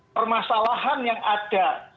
permasalahan yang ada